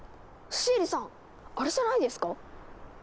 シエリさんあれじゃないですか？